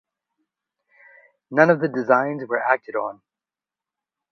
None of the designs were acted on.